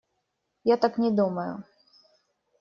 Я так не думаю.